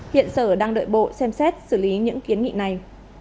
hiện sở đang đợi bộ xem xét xử lý những kiến nghị này